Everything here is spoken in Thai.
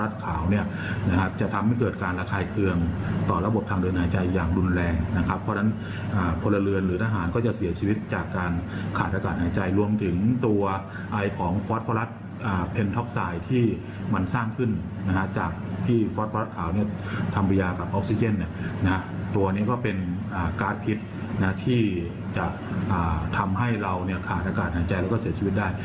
ตัวนี้ก็เป็นการพิษที่จะทำให้เราขาดอากาศหายใจและเสียชีวิตได้